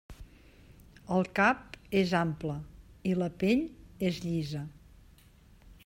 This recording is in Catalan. El cap és ample, i la pell és llisa.